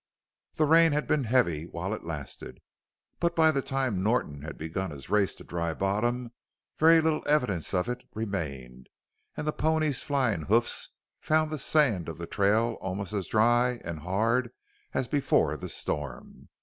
The rain had been heavy while it lasted, but by the time Norton had begun his race to Dry Bottom very little evidence of it remained and the pony's flying hoofs found the sand of the trail almost as dry and hard as before the storm.